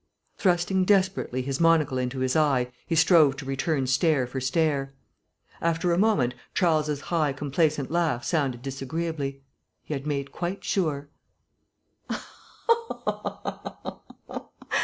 Thrusting desperately his monocle into his eye, he strove to return stare for stare. After a moment Charles's high complacent laugh sounded disagreeably. He had made quite sure.